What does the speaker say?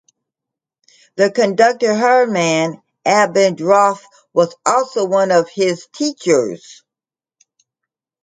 The conductor Hermann Abendroth was also one of his teachers.